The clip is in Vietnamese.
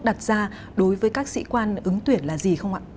đặt ra đối với các sĩ quan ứng tuyển là gì không ạ